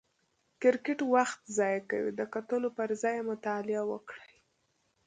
کرکټ وخت ضایع کوي، د کتلو پر ځای یې مطالعه وکړئ!